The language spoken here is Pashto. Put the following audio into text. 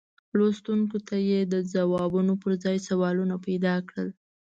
لوستونکو ته یې د ځوابونو پر ځای سوالونه پیدا کړل.